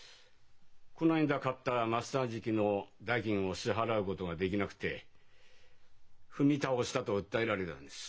この間買ったマッサージ機の代金を支払うことができなくて「踏み倒した」と訴えられたんです。